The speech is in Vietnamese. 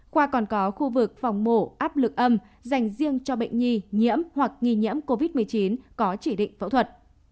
khoa còn có khu vực phòng mổ áp lực âm dành riêng cho bệnh nhi nhiễm hoặc nghi nhiễm covid một mươi chín có chỉ định phẫu thuật